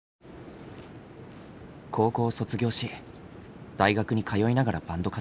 高校を卒業し大学に通いながらバンド活動。